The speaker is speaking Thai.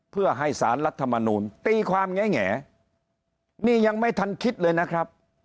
เพื่อให้สารรัฐมนูลตีความแง่นี่ยังไม่ทันคิดเลยนะครับ